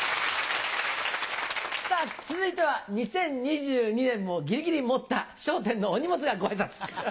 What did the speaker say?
続いては２０２２年もギリギリ持った『笑点』のお荷物がご挨拶。